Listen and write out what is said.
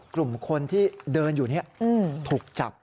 กลุ่มคนที่เดินอยู่นี่ถูกจับ